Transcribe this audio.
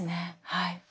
はい。